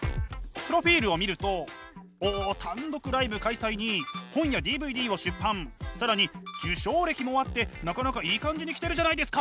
プロフィールを見るとお単独ライブ開催に本やＤＶＤを出版更に受賞歴もあってなかなかいい感じに来てるじゃないですか。